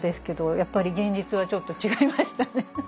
やっぱり現実はちょっと違いましたね。